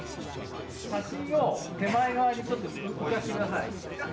写真を手前側にちょっと浮かせてください。